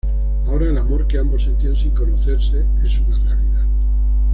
Ahora el amor que ambos sentían sin conocerse, es una realidad.